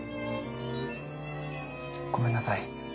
ごめんなさい。